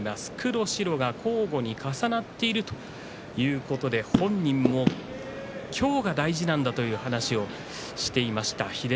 黒白が交互に重なっているということで本人も今日が大事なんだという話をしていました。